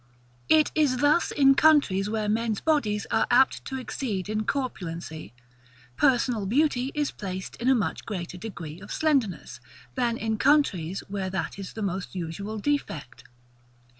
It is thus in countries where men's bodies are apt to exceed in corpulency, personal beauty is placed in a much greater degree of slenderness, than in countries where that is the most usual defect.